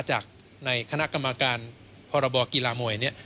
จากในคณะกรรมการพรบกีฬามวยเนี่ย